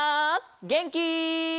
げんき？